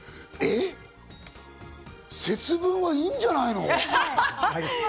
節分はいいんじゃないの？